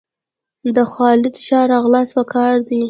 د خالد ښه راغلاست په کار دئ!